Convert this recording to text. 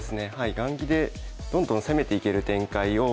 雁木でどんどん攻めていける展開を見ていって。